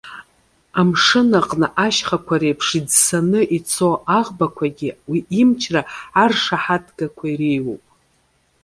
Амшын аҟны ашьхақәа реиԥш иӡсаны ицо аӷбақәагьы уи имчра аршаҳаҭгақәа иреиуоуп.